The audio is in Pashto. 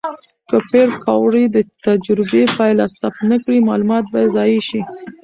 که پېیر کوري د تجربې پایله ثبت نه کړي، معلومات به ضایع شي.